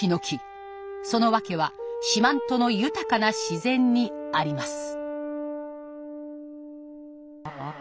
その訳は四万十の豊かな自然にあります。